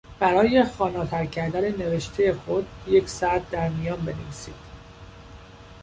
برای خواناتر کردن نوشتهی خود یک سطر در میان بنویسید.